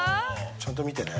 ちゃんと見てね。